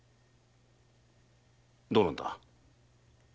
どうなんだ。